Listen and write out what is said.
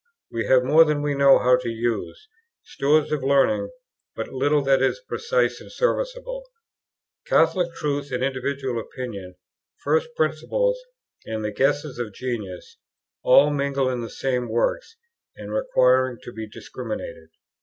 We have more than we know how to use; stores of learning, but little that is precise and serviceable; Catholic truth and individual opinion, first principles and the guesses of genius, all mingled in the same works, and requiring to be discriminated.